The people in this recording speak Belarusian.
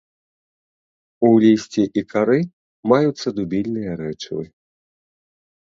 У лісці і кары маюцца дубільныя рэчывы.